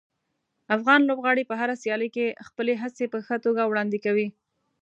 افغان لوبغاړي په هره سیالي کې خپلې هڅې په ښه توګه وړاندې کوي.